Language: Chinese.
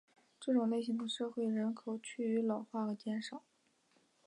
这种类型的社会人口趋于老化和减少。